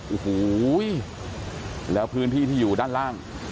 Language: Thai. โอ้โหแล้วพื้นที่ที่อยู่ด้านล่าง